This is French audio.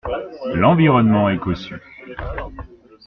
L’environnement est cossu.